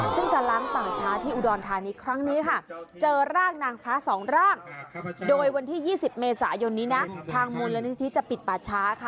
ซึ่งการล้างป่าช้าที่อุดรธานีครั้งนี้ค่ะเจอร่างนางฟ้าสองร่างโดยวันที่๒๐เมษายนนี้นะทางมูลนิธิจะปิดป่าช้าค่ะ